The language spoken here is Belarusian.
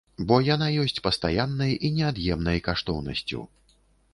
Бо яна ёсць пастаяннай і неад'емнай каштоўнасцю.